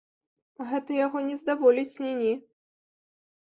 Гэта яго не здаволіць ні-ні.